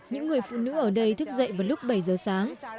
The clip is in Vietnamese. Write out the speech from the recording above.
những người phụ nữ ở đây thức dậy vào lúc bảy giờ sáng